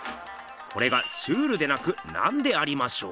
これがシュールでなくなんでありましょう？